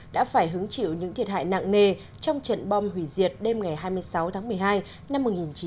đã phải hứng chịu những thiệt hại nặng nề trong trận bom hủy diệt đêm ngày hai mươi sáu tháng một mươi hai năm một nghìn chín trăm bảy mươi